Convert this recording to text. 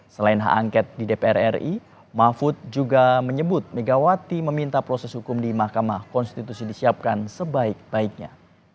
selain hak angket di dpr ri mahfud juga menyebut megawati meminta proses hukum di mahkamah konstitusi disiapkan sebaik baiknya